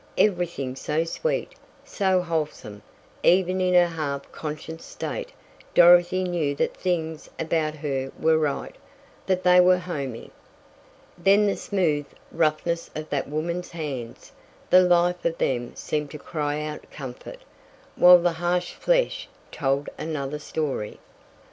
Everything so sweet, so wholesome, even in her half conscious state Dorothy knew that things about her were right that they were "homey." Then the smooth roughness of that woman's hands, the life of them seemed to cry out comfort, while the harsh flesh told another story.